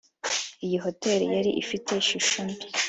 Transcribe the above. “Iyi hotel yari ifite ishusho mbi